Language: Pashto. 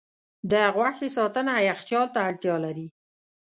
د غوښې ساتنه یخچال ته اړتیا لري.